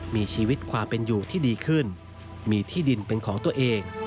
มีชีวิตความเป็นอยู่ที่ดีขึ้นมีที่ดินเป็นของตัวเอง